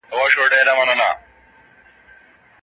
لوړ استعداد لرل لوی نعمت دی.